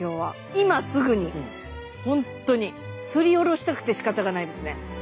今すぐに本当にすりおろしたくてしかたがないですね。